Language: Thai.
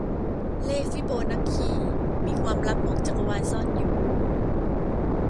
เลขฟิโบนัคคี มีความลับของจักรวาลซ่อนอยู่